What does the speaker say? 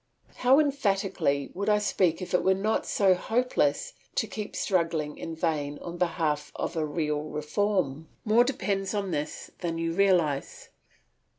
How emphatically would I speak if it were not so hopeless to keep struggling in vain on behalf of a real reform. More depends on this than you realise.